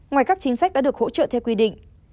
ngoài các chính sách đã được hỗ trợ theo quy định